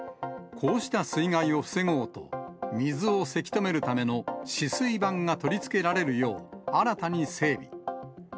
こうした水害を防ごうと、水をせき止めるための止水板が取り付けられるよう新たに整備。